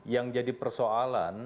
yang jadi persoalan